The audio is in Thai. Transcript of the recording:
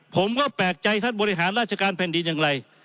ผมก็แปลกใจท่านบริหารราชการแผ่นดินอย่างไร